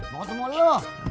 mau ketemu lo